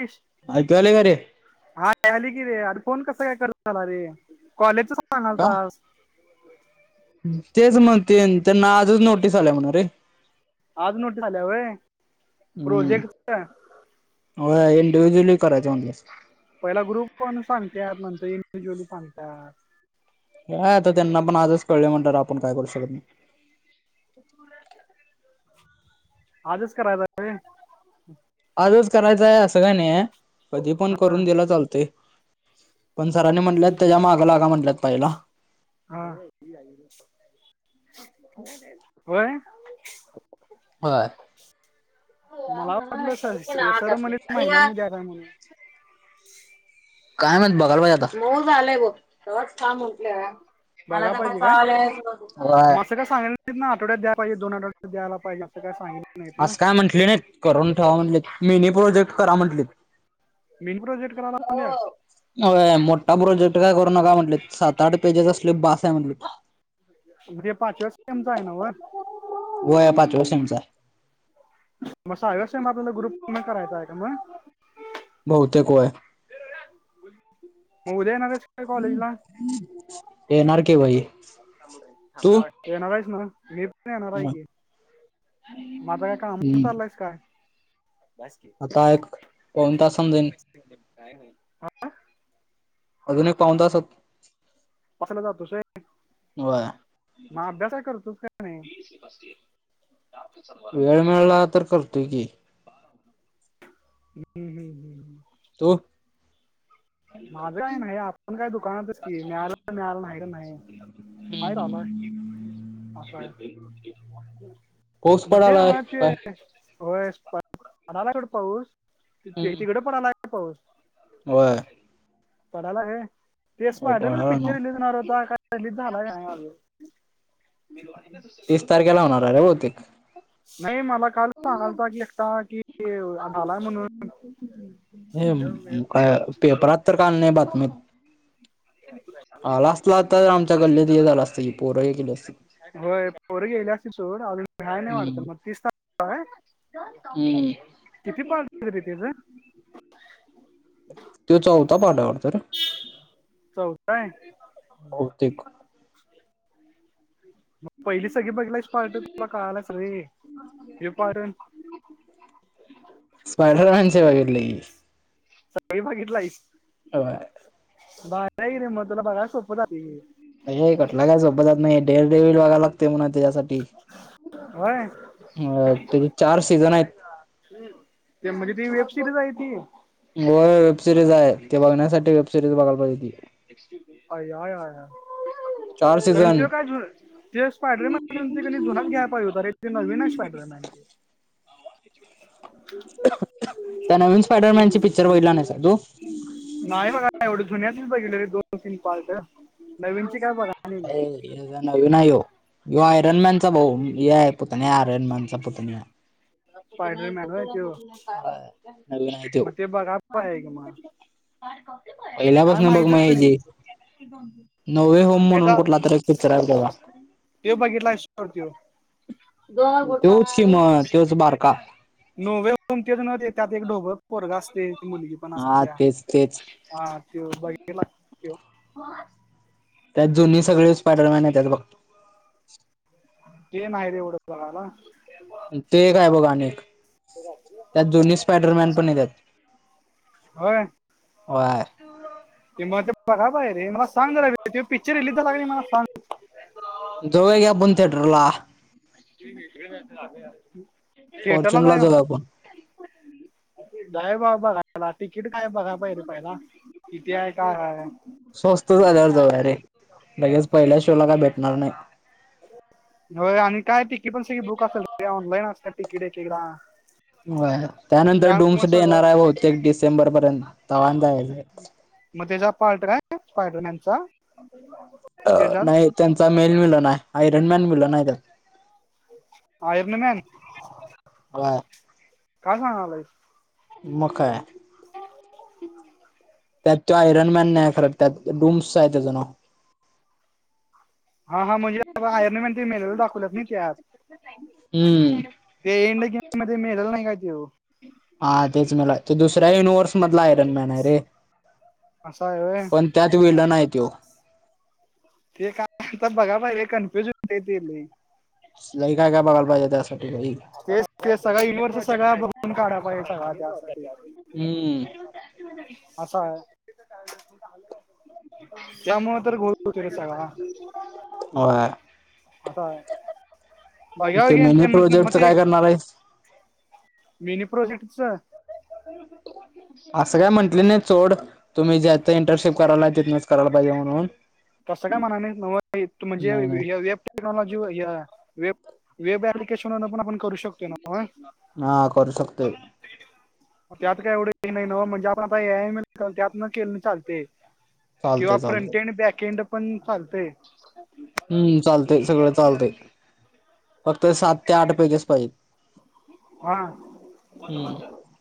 Dish. ऐकू यालय काय रे? हाय अली कि रे अर फोन कसा काय करत झाला अ रे कॉलेजचच सांगणार का? होतास. तेच म्हणते त्यांना आजच नोटीस आल्या म्हणरे. आज नोटीस आल्या वय प्रोजेक्टच? व्हय इंडिव्हजुअलली करायच म्हण अस पहिला ग्रुप पण सांग त्यात नंतर इंडिव्हज्युअल सांगतात. काय आता त्यांना पण आजच कळले म्हणत आपण काय करू शकत नाही. आजच करायचय. आजच करायचं आहे असं काय, ना य कधी पण करून दिला चालतय. पण सरांनी म्हटल्यात त्याच्या मागाला लागा म्हटल्यात पहिला. हा व्हय? बर. हो मला ह ना वाटलं सर आणि सर म्हणे काय. महिन्यात द्यायला म्हणून काय म्हत बघाला पाहिजे आता मऊ झालंय बवच म्हटलं. मला बघा तर काय पाहिजे चालय. मग असं काय सांगितलं ना आठवड्याहिजे दो आठवड्यायला पाहिजे अस काय सांगल म्हटले नाहीत करून ठेवा म्हटले मीनी प्रोजेक्ट करा म्हटलेत. मिनी प्रोजेक्ट करव लावल्यात? मोठा प्रोजेक्ट काय करू नका म्हटले, सात आठ पेजेस असले बास आहे म्हटली. म्हणजे पाच क्यावेस सेमच आहे नव? व्ह यपाच व्या शेमचा म अवसय मग आपल्याला ग्रुप करायचां आहे का मग? बहुतेक वय. मग उद्या येणारेस? येणार की भाई. तू? येनारायस ना मी. येणार आहे हम्म की माझा काय काम चाललंयस काय? बस की आता एक पाऊन तासान किती जाईन पैसे काय नाही. अजून एक पाऊण तासात. कसला जातो स होय ना अभ्यास आहे करतोस काय नाही? असतील. वेळ मिळाला तर करतोय की. हम्म हं. तु? माझं काय नाही, आपण काय दुकानातच की. मिळालं मिळालं नाही त नाही. हाय रानात. [unintelligible] पाऊस म ते पडालाय नव्हं ते काय होय पडायला सोड पाऊस. ते तिकडं पडायलाय का पाऊस? होय. पडायला व्हय, ते हो स्पायडर पडाला पिक्चर नव्ह रिलीज होणार, होता काय रिलीज झालाय का नाही अजून? तीस तारखेला होणार आहे रे बहुतेक. नाही मला काल सांगालता, की एकटा की झालाय म्हणून. हे काय पेपरात तर काय नाही आली बातमीत. आला असला तर आमच्या गल्लीत हे झालं असतं की पोर ही केली असतीत. होय पोर गेली असती सोड, अजून व्हाय नाही वाटतं. हम्म मग तीस तार होय हम्म किती [inaudible] देते गं? त्यो चौथा कॉल आहे वाटतं ना? चौथा हाय? बहुतेक. मग पहिली सगळी बघितलास पार्ट तुला कळालाच रे. हे पार्ट आन स्पायडरमॅनचे बघितलंय की. सगळी बघितलायस? होय. भारी हाय ना मग तुला बघाय सोपं जातय की. हे कटला काय सोपं जात नाही, [unintelligible] बघायला लागते म्हणून त्याच्यासाठी होय ते अ त्याचे चार सीझन आहेत. ते म्हणजे ती वेब सिरीज आहे ती? होय, वेबसिरीज आहे ते बघण्यासाठी वेबसिरीज बघायला पाहिजेे ती. आय आय आय आय, चार कारण सीझन त्यो काय झुर ते स्पायडरमॅनचं त्यांचं की नाही जुना घ्याय पाहिजे होता रे, ते नवीन आहे स्पायडरमॅन. त्या नवीन स्पायडरमॅनची पिक्चर बघितला नाहीसा तू? नाही बघाय एवढं, जुन्याचीच बघितले रे दोन तीन पार्ट. नवीनची काय बघा नाही मी ये हेजा नवीन हाय ह्यो. ह्यो आयरनमॅनचा भाऊ, ये आहे पुतण्या आयरनमॅनचा पुतण्या. [inaudible] स्पायडरमॅन होय त्यो मग ते बघा पाहिजे की मग काय पहिल्यापासनं बघ म माहितीच नाही हेजी. नवे होम म्हणून ह्याचा कुठला तर एक पिक्चर आहे बुवा. ते बघितला सोड त्यो [unintelligible] त्योच की मन त्योच बारका. नवे म्हणून तेच ना त्यात एक ढोबळ पोरगं असतंय, ती मुलगी पण हा सत्या. तेच तेच हा त्यो बैठेला त्यात जुनी सगळे स्पायडरमॅन येत्यात बघ. ते न्हाय रे एवढे बघायला. ते एक आहे बघ आणि एक त्यात दोन्ही स्पडरमॅन पण येत्यात, होय होय. ते मग ते बघाय पाहिजे रे मग. सांग जरा तो पिक्चर रिलीज झाला का नाही मला सांग. जाऊया की आपण थेटरला. थेटर ला फॉर्च्युनला जाऊया? आपण नाहीय बाबा बघाय किती आहे काय आहे स्वस्त झाल्यावर जाऊया रे. लगेच पहिल्या शोला काय भेटणार नाही. हो आणि काय तिकीट पण स बुक असेल ऑनलाईन अस तिकीटे एखदा. त्यानंतर डुम्स डे येणार आहे बहुतेक डिसेंबर पर्यंत तवा आणि जायचं. मग त्याचा पार्ट काय? स्पायडरमॅनचा? त्याच्यात नाही त्यांचा मेल विलन हाय आयरन मॅन व्हिलन आहे त्यात. आयर्नमॅन? व्हय. काय सांगालाइस? मग काय. त्यात तो आयरनमॅन नाही खर, त्यात डुम्स आहे त्याचा नाव. हा हां म्हणेहे आयरन मॅन ते मेलेला दाख ल नाही त्यात हम्म ते इंड गेममध्ये मेलेलं नाही का त्यो? हा तेच मेलाय तो दुसऱ्या युनिव्हर्स मधला आयरन मॅन हाय रे. असा आहे होय? पण त्यात विलन आहे त्यो. ते का आता बघा पाहिजे रे, कन्फ्युज होते ते लई. लय काय काय बघाय पाहिजे त्यात ते ते सगळ युनिव्हर्सल बघून काढायला पाहिजे त्यावर. हम्म. असा आहे. त्यामुळे तर गोल होते र सगळा. होय. हता बा ते यावग मिनी शंभर शंभर प्रोजेक्टच च काय एक. करणार आहेस मिनी प्रोजेक्ट च? असं काय म्हंटलं नाही चोड तुम्ही ज्यात इंटर्नशिप करायला तिूनच करायला पाहिजे म्हणून. तसं काय म्हणा म नाही नाही म्हणजे. टेक्नॉलॉजी व वेब वेब ऍप्लिकेशन पण आपण करू शकतो नव्ह. हा करू शकतोय त्यात काय एवढं हे नाही न म्हणजे आपण आता ए आय मदन केलं तर चालतंय. किंवा चालतय चालतय फ्रंट एड बॅक एंड पण चालतय. हम्म चालतय सगळं चालतय. फक्त सात ते आठ पैकीच पाहिजेत. हा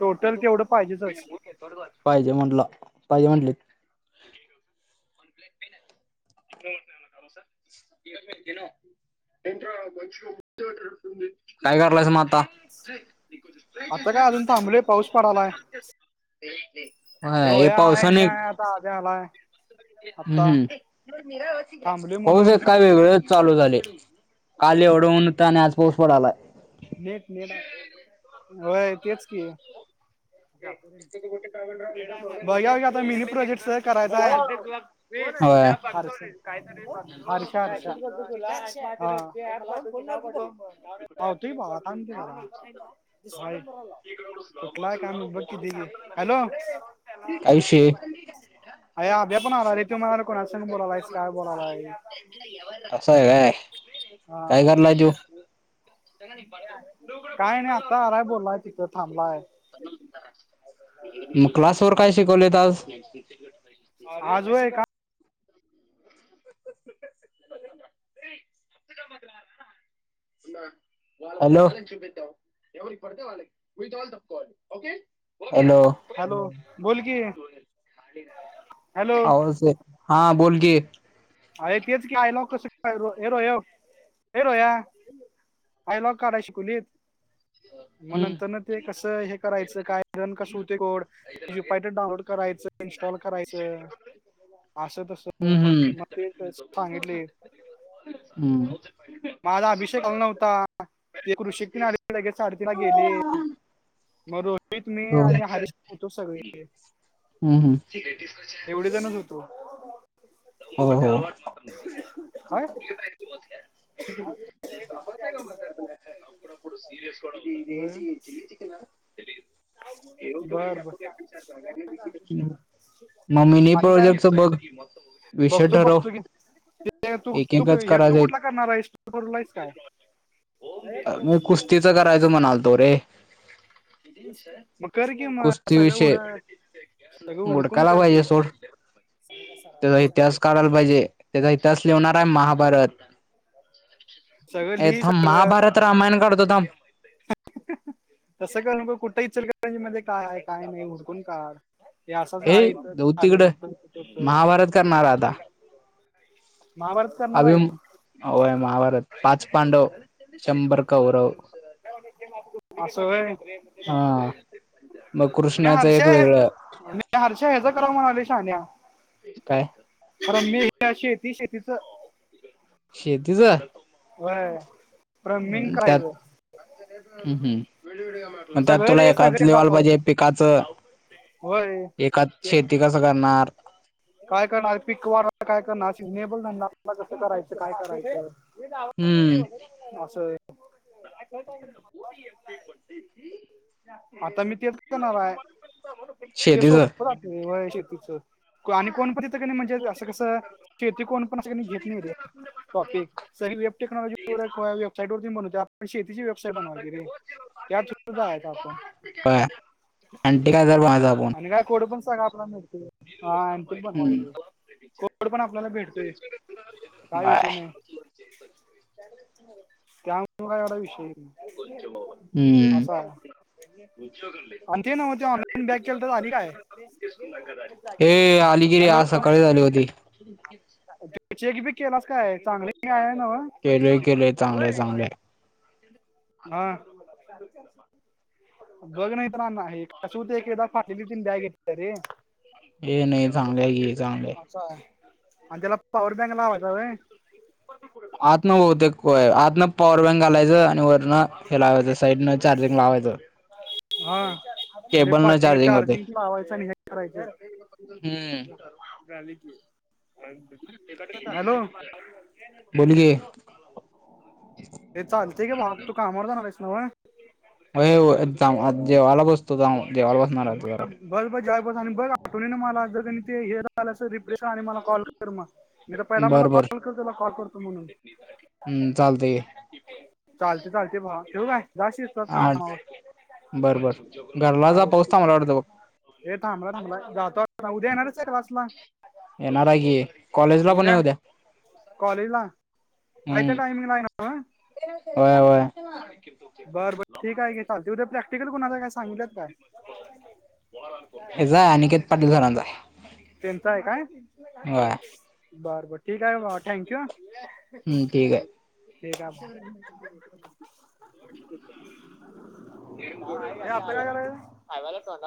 टोटल तेवढं पाहिजेचच. बरोबर पाहिजे म्हणलं पाहिजे म्हणलीत. [unintelligible] काय करायलास म आता? आता काय अजून थांबलोय पाऊस पडायलाय. वय हे पावसान एक. आत्ता अभ्या आलाय. हम्म आता हम्म, थांबले पाऊस म्हणून एक काय वेगळेच चालू झाले काल एवढं ऊन होतं आणि आज पाऊस पडायला. नेट नेट होय तेच की. बघ आता मिनी प्रोजेक्ट करायचा आहे. होय उद्या बघतो रे काय तरी बघतो हर्षा हर्षा हर्षा. हा. तु भा काते म पाहतोय बाळा थांब की जरा. कुठला आहे काम बघ कि दि हॅलो. काय विषय अय्या अभ्या पण आलाय रे तो म्हणायला कोणा संग बोलायलास काय बोलायलायस? असा आहे काय, हा काय करायलाय त्यो? काय नाही आता आरय बोललाय तिथं थांबलाय. मग क्लास वर काय शिकवले आज? [inaudible] आज व्हय का हॅलो. हॅलो. हॅलो बोल की. हॅलो आवाजच नई येत, हा बोल की. अरे तेच की आहे ना कस का हेर ये हेरो या. आयल काय शिकवलीत मग हम्म नंतरन. ते कसं हे करायचं काय रन कसं होत कोडुपाट डाउनलोड करायचं. इन्स्टॉल करायचं अस तस हम्म हम्म. ते तर सांगितलय. हम्म हम्म माझा अभिषेक आला नव्हता ते करू शिकती ना. लगेच साडेतीन ला गेली मग रोहित मी हो आणि हर होतो सगळे. हम्म हम्म. एवढ जणच होतो. हो हो. काय [unintelligible] होय. [unintelligible] बर बर. मग मिनी प्रोजेक्टच बघ. बघ विषय तू ठरव बघतू ते तू तु एकेकच तू करायचे कुठला करणार आहेस तू करूला आहेस काय? मी कुस्तीच करायच म्हणाल तो रे. मग करकी मग कुस्ती सगळं उड विषय सगळं उडकून हुडकायला पाहिजे करकी. सोड [inaudible] त्याचा इतिहास कढायला पाहिजे, त्याचा इतिहास लिहणार आहे महाभारत. सगळं लिही एथ सगळं महाभारत रामायण करतो थांब. तसं कर न का कुठं इचल का रेंज मध्ये काय काय नाही हुडकून काढ. ए जाऊ तिकडं महाभारत करणार आता [unintelligible] महाभारत अ करणार आहे होम आव पाच पांडव शंभर कौरव. असं व्हय. हा मग कृष्णाच हर्षा एक वेगळं. हर्षा याचं करायला म्हणायला शहाण्या. काय? अर मी हे शेती शेतीच. शेतीच? व्हय. त्यात हम्म हम्म. मग त्यात सगळे तुला रे एकाद सगळे लिवाला दाखवायचं पाहिजे पिकाचं होय एद एक शेती जगणार काय करणार पिक वा काय करणार सिजनेबलला कसं करायचं काय करायचं? हम्म. असं आहे. आता मी तेच करणार आहे. ते शेतीच सोपं राहतय होय शेतीचं. आणि कोण पण तिथं क म्हणजे असं कसं शेती कोण पणं कणी घेत नाही रे. टॉपिक स वेब टेक्नॉलॉजी वेबसाईट वर ब शेतीची वेब साईट बनवायची रे त्या थ्रु जा आहे आपण. होय आणटी काय तर बनवायचं आपण आणि का कोड पण सगा आपला मिळतय रे. हा आण ते पण हम्म व्हायचं कोड पण आपल्याला भेटतोय काय विषय नाही. त्याग काय एढा विषय नई. हम्म. आणि ते नव्ह ते ऑनलाईन बॅक केलं तर झाली काय? हे आली की रे हॅलो आज सकाळीच आली होती. [unintelligible] चेक बी केलास काय चांगली काय आहे नव्ह? केलोय केलोय चांगले चांगले. हा. बघ नाही तर नासत एक एकदा फाटलेली ती बॅग घेत रे. ये नाही चांगले की चांगले. होय आणि त्याला पॉवर बँक लावायचा आहेय. आत न होते आत पोएम पॉवर बँक घालायचं आणि वरना. हे लाव ते साईड न चार्जिंग लावेत. हा म्हणजे पा न होते चार्जिंग लावायचं आणि हे करायचं. हम्म हम्म. हॅलो. बोलकी. हे चालतेय का भावा तू कामवर जाणार आहेस व्हय? होय होय जेवाला बसतो जाऊन, जेवाला बसणार आहे जरा. बस बस जाय बस आणि बस आठवणी ना मला रिप फ्रेश कर आणि मला कॉल कर मग मी तर पहिला मला बर बर कॉल कर त्याला कॉल करतो म्हणून. हम्म चालतय गे. चालते चालते भावा ठेवू काय जा शिस्त हा बर बर घरला हा जा पाऊस. ओके थांबला वाटतं बघ हे थांबला थांबला जातो उद्या येणारएस काय क्लासला? येणार आहे की कॉलेजला पण ये उद्या. कॉलेजला हाय त्या टायमिंगला आहे नव्ह? व्हय व्हय. [unintelligible] बर बर ठीक आहे चला तया प्रॅक्टिकल कोणचय काय सम हेच आहे अनिकेत पाटील जरांचा आहे. त्यांच आहे काय. होय. बर बर ठीक आहे भाऊ थँक यू हम्म आहे ठीक आहे. [unintelligible] अव्याला तोंडात.